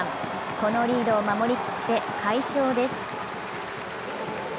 このリードを守り切って快勝です。